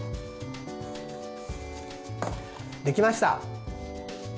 できました。